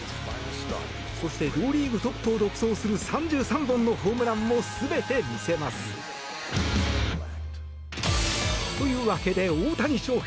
そして、両リーグトップを独走する３３本のホームランも全て見せます！というわけで大谷翔平